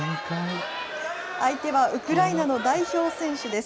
相手はウクライナの代表選手です。